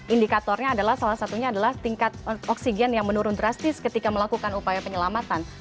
indikatornya adalah salah satunya adalah tingkat oksigen yang menurun drastis ketika melakukan upaya penyelamatan